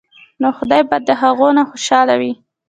نو خدائے به د هغو نه خوشاله وي ـ